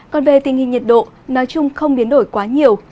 còn về tình hình nhiệt độ nói chung không biến đổi quá nhiều